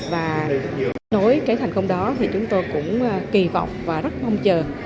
và đối với cái thành công đó thì chúng tôi cũng kỳ vọng và rất mong chờ